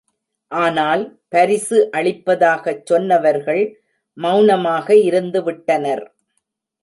ஆனால், பரிசு அளிப்பதாகச் சொன்னவர்கள் மெளனமாக இருந்து விட்டனர்.